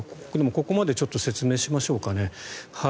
ここまでちょっと説明しましょうかね。